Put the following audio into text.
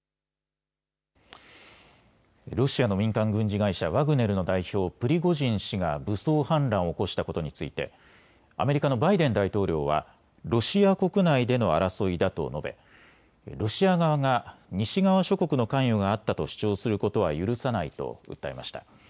ロシアの民間軍事会社、ワグネルの代表、プリゴジン氏が武装反乱を起こしたことについてアメリカのバイデン大統領はロシア国内での争いだと述べロシア側が西側諸国の関与があったと主張することは許さないと訴えました。